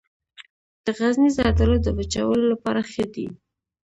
د غزني زردالو د وچولو لپاره ښه دي.